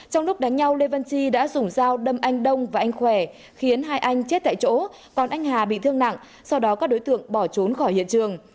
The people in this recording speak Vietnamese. trong lúc đánh nhau lê văn chi đã dùng dao đâm anh đông và anh khỏe khiến hai anh chết tại chỗ còn anh hà bị thương nặng sau đó các đối tượng bỏ trốn khỏi hiện trường